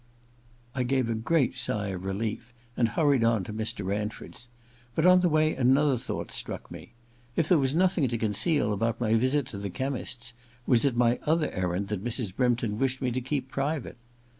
I gave a great sigh of relief and hurried on to Mr. Ranford's. But on the way another thought struck me. If there was nothing to conceal about my visit to the chemist's, was it my other errand that Mrs. Brympton wished me to keep private?